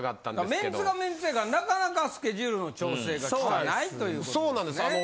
メンツがメンツやからなかなかスケジュールの調整がきかないということですね。